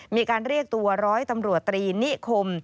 มีการเรียกตัวร้อยตำรวจตรีนิคม